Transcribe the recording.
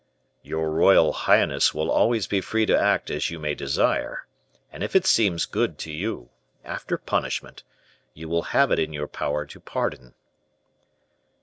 "Your royal highness will always be free to act as you may desire; and if it seems good to you, after punishment, you will have it in your power to pardon."